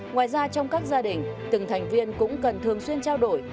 ngoài ra trong các gia đình từng thành viên cũng cần thường xuyên trao đổi